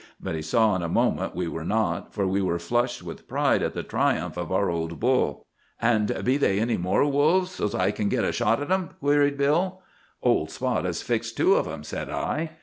But he saw in a moment we were not, for we were flushed with pride at the triumph of our old bull. "'And be they any more wolves, so's I kin git a shot at 'em?' queried Bill. "'Old Spot has fixed two of 'em,' said I.